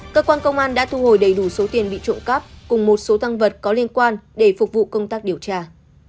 cơ quan công an đã thu hồi đầy đủ số tiền bị trộm cắp cùng một số tăng vật có liên quan để phục vụ công tác điều tra